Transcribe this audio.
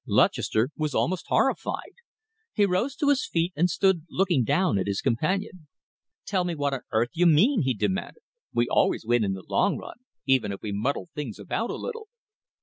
Lutchester was almost horrified. He rose to his feet and stood looking down at his companion. "Tell me what on earth you mean?" he demanded. "We always win in the long run, even if we muddle things about a little."